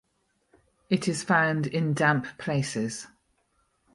It is found in damp places.